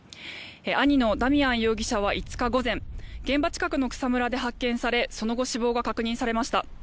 兄のダミアン容疑者は５日午前現場近くの草むらで発見されその後、死亡が確認されました。